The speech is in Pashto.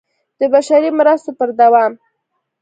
د بشري مرستو پر دوام